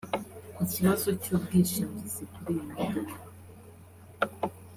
Ku kibazo cy’ubwishingizi kuri iyi modoka